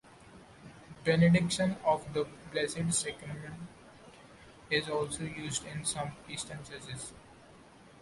Benediction of the Blessed Sacrament is also used in some Eastern churches.